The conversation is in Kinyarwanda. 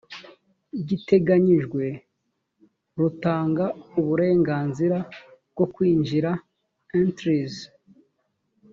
giteganyijwe rutanga uburenganzira bwo kwinjira entries